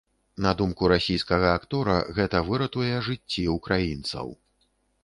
На думку расійскага актора, гэта выратуе жыцці ўкраінцаў.